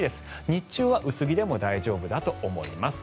日中は薄着でも大丈夫だと思います。